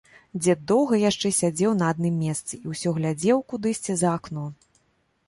Дзед доўга яшчэ сядзеў на адным месцы і ўсё глядзеў кудысьці за акно.